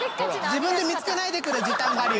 自分で見つけないでくれ時短我流！